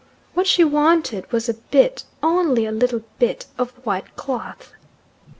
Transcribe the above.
What she wanted was a bit, only a little bit, of white cloth.